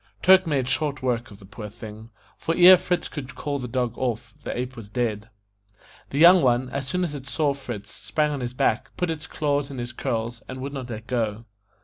Turk made short work of the poor thing, for ere Fritz could call the dog off, the ape was dead. The young one, as soon as it saw Fritz, sprang on his back, put its paws in his curls, and would not let go.